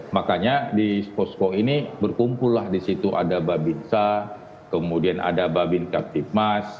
makanya di posko ini berkumpul lah di situ ada babin sa kemudian ada babin kaktif mas